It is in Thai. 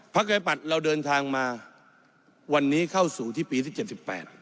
พักไว้ปัดเราเดินทางมาวันนี้เข้าสู่ที่ปีที่๗๘